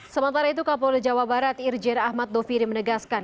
sementara itu kapol jawa barat irjir ahmad doviri menegaskan